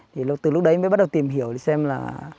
thì từ lúc đấy mới bắt đầu tìm hiểu xem là